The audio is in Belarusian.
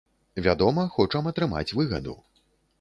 Вядома, хочам атрымаць выгаду.